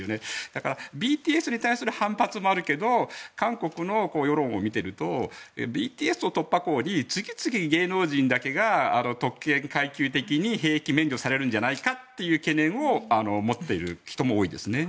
だからＢＴＳに対する反発もあるけど韓国の世論を見ているとＢＴＳを突破口に次々に芸能人だけが特権階級的に兵役を免除されるんじゃないかという懸念を持っている人も多いですね。